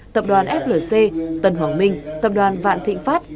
tập đoàn flc tân hoàng minh tập đoàn vạn thịnh pháp